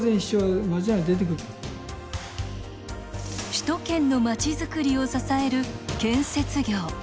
首都圏の街づくりを支える建設業。